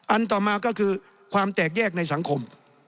ต่อมาก็คือความแตกแยกในสังคม